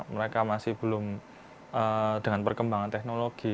mereka masih belum dengan perkembangan teknologi